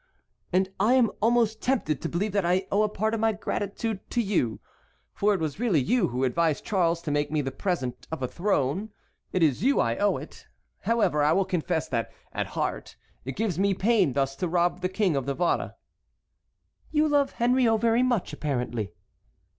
"And I am almost tempted to believe that I owe a part of my gratitude to you; for it was really you who advised Charles to make me the present of a throne; it is to you I owe it. However, I will confess that, at heart, it gives me pain thus to rob the King of Navarre." "You love Henriot very much, apparently."